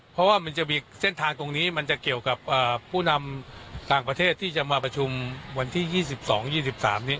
เพราะว่ามันจะมีเส้นทางตรงนี้มันจะเกี่ยวกับผู้นำต่างประเทศที่จะมาประชุมวันที่๒๒๒๓นี้